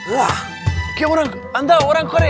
wah kira orang anda orang korea